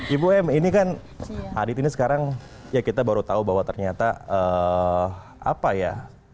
ibu m ini kan adit ini sekarang ya kita baru tahu bahwa ternyata apa ya